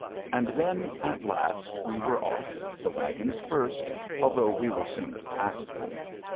And then, at last, we were off, the wagons first, although we were soon to pass them.